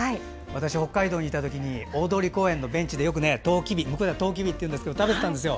私、北海道にいたときに大通公園のベンチで、よく向こうではトウキビと言いますが食べていたんですよ。